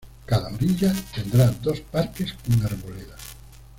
Cada orilla tendrá dos parques con arboleda.